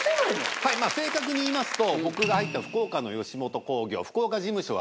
はい正確に言いますと僕が入った福岡の吉本興業福岡事務所は。